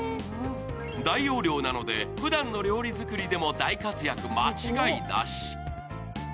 大容量なのでふだんの料理作りでも大活躍間違いなし。